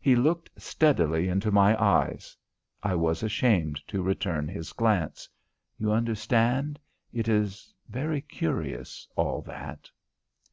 He looked steadily into my eyes; I was ashamed to return his glance. You understand? It is very curious all that.